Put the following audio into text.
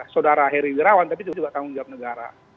saudara heri wirawan tapi juga tanggung jawab negara